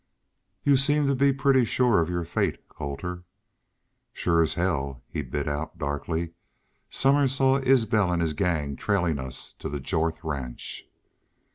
"Y'u seem to be pretty shore of your fate, Colter." "Shore as hell!" he bit out, darkly. "Somers saw Isbel an' his gang trailin' us to the Jorth ranch."